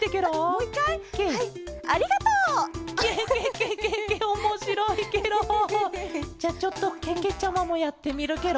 ケケケケケおもしろいケロ！じゃちょっとけけちゃまもやってみるケロ。